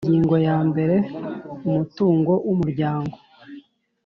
Ingingo ya mbere Umutungo w Umuryango